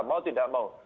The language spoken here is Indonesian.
mau tidak mau